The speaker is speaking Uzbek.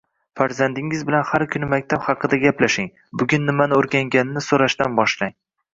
Farzandingiz bilan har kuni maktab haqida gaplashing. Bugun nimani o‘rganganini so‘rashdan boshlang